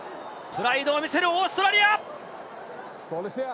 プライドを見せるオーストラリア。